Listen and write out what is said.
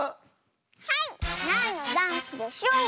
はいなんのダンスでしょう？